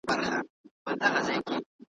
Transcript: دی روان سو ځان یې موړ کړ په بازار کي `